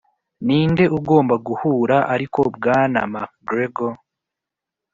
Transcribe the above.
ninde ugomba guhura ariko bwana mcgregor!